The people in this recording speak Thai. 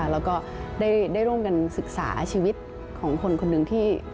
แล้วก็ได้ร่วมกันศึกษาชีวิตของคนคนหนึ่งที่